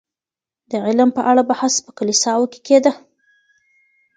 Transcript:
د علم په اړه بحث په کليساوو کي کيده.